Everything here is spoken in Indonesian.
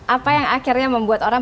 apa yang akhirnya membuat orang